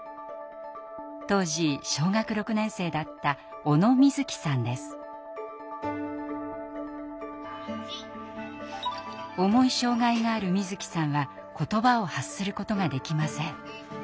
当時小学６年生だった重い障害があるみづきさんは言葉を発することができません。